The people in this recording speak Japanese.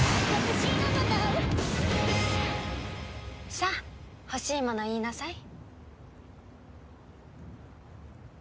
さあ欲しいものを言いなさい。